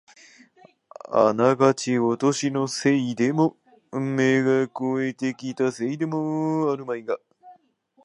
あながちお年のせいでも、目が肥えてきたせいでもあるまいが、